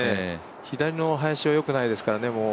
左の林はよくないですからね。